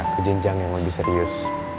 ke jenjang yang lebih serius